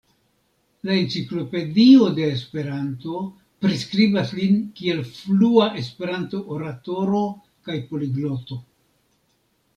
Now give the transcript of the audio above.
La Enciklopedio de Esperanto priskribas lin kiel flua Esperanto-oratoro kaj poligloto.